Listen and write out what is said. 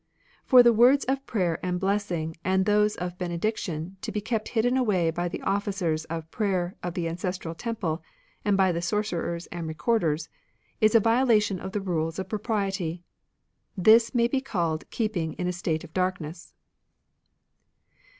" For the words of prayer and blessing and those of bene diction to be kept hidden away by the officers of prayer of the ancestral temple, and by the sorcerers and recorders, is a violation of the rules of propriety. This may be called keeping in a state of darkness."